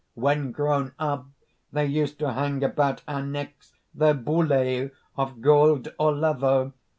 When grown up, they used to hang about our necks their bullæ of gold or leather!